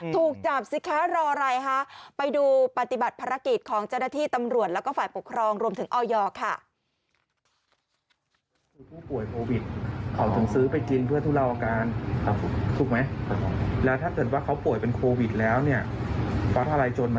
ถูกจับสิคะรออะไรคะไปดูปฏิบัติภารกิจของเจ้าหน้าที่ตำรวจแล้วก็ฝ่ายปกครองรวมถึงออยค่ะ